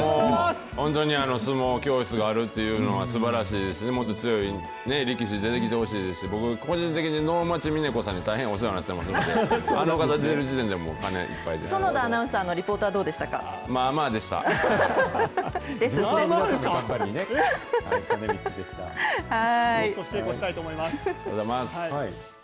本当に相撲教室があるっていうのは、すばらしい、もっと強い力士出てきてほしいですし、僕、個人的に能町みね子さんに大変お世話になってますので、あの方が出てる時点で、鐘いっぱ園田アナウンサーのリポートまあまあでした。